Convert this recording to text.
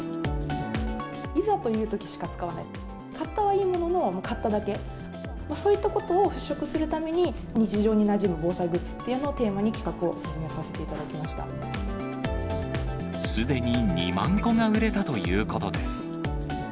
いざというときしか使わない、買ったはいいものの、買っただけ、そういったことを払拭するために、日常になじむ防災グッズというのをテーマに企画を進めさせていたすでに２万個が売れたということです。